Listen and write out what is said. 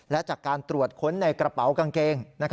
และจากการตรวจค้นในกระเป๋ากางเกง